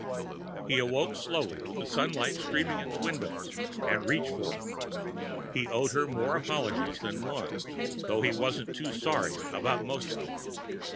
He awoke slowly, with sun light streaming in the windows, and reached for her. He owed her more apologies than one, though he wasn't too sorry about most of it.